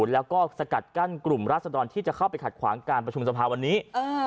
แล้วก็สกัดกั้นกลุ่มราศดรที่จะเข้าไปขัดขวางการประชุมสภาวันนี้